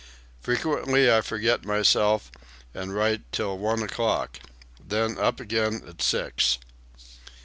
Frequently I forget myself and write till one o'clock, then up again at six."